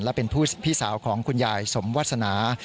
และเป็นพี่สาวของคุณยายสมวาสนา